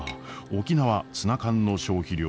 沖縄ツナ缶の消費量